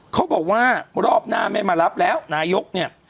เขาบอกว่ารอบหน้าไม่มารับแล้วนายกเนี่ย